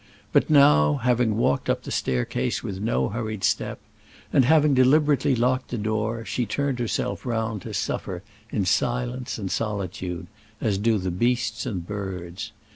But now, having walked up the staircase with no hurried step, and having deliberately locked the door, she turned herself round to suffer in silence and solitude as do the beasts and birds.